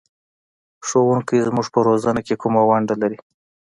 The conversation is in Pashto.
ښوونکی زموږ په روزنه کې کومه ونډه لري؟